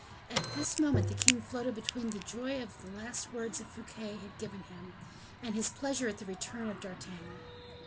At this moment the king floated between the joy the last words of Fouquet had given him, and his pleasure at the return of D'Artagnan.